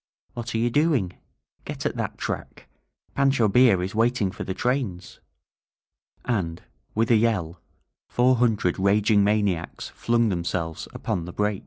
"What are you doing? Get at that track! Pancho Villa is waiting for the trains!" And, with a yell, four hundred raging maniacs flung themselves upon the break.